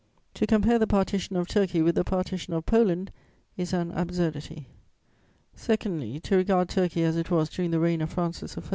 To compare the partition of Turkey with the partition of Poland is an absurdity. Secondly, to regard Turkey, as it was during the reign of Francis I.